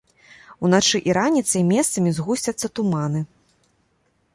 Уначы і раніцай месцамі згусцяцца туманы.